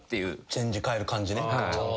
チェンジ変える感じね。